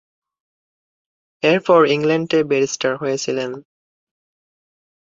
এরপর ইংল্যান্ডে ব্যারিস্টার হয়েছিলেন।